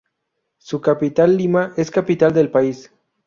Su capital, Lima, es capital del país.